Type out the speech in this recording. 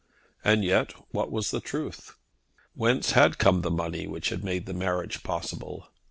And yet what was the truth? Whence had come the money which had made the marriage possible?